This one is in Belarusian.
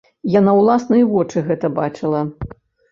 Я на ўласныя вочы гэта бачыла.